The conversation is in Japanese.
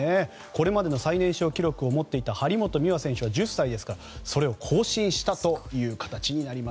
これまでの最年少記録を持っていた張本美和選手は１０歳ですからそれを更新したということです。